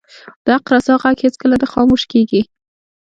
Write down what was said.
د حق رسا ږغ هیڅکله نه خاموش کیږي